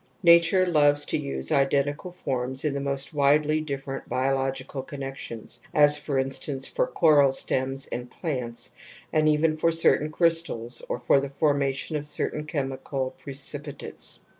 Nature loves to use identical forms in the most widely different biological connections, as, for instance, for coral stems and plants and even for certain crystals or for the formation of certain chemical precipi tates.